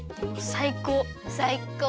さいこう。